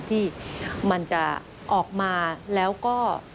ที่มันจะออกมาแล้วก็